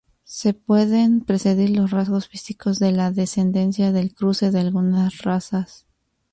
Se pueden predecir los rasgos físicos de la descendencia del cruce de algunas razas.